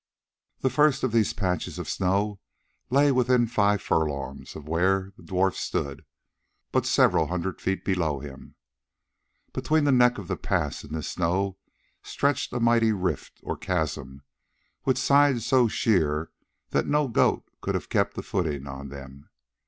The first of these patches of snow lay within five furlongs of where the dwarf stood, but several hundred feet below him. Between the neck of the pass and this snow stretched a mighty rift or chasm, with sides so sheer that no goat could have kept a footing on them.